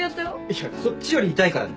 いやこっちより痛いからね。